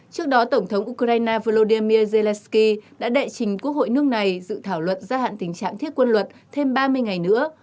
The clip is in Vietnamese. trước đó tổng thống ukraine volodymyr zelensky đã đệ trình quốc hội nước này dự thảo luật gia hạn tình trạng thiết quân luật thêm ba mươi ngày nữa